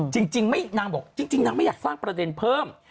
จริงนางบอกจริงนางไม่อยากสร้างประเด็นเพิ่ม